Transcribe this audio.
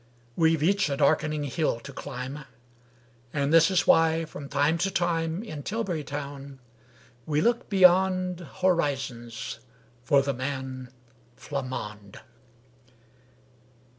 We've each a darkening hill to climb; And this is why, from time to time In Tilbury Town, we look beyond Horizons for the man Flammonde.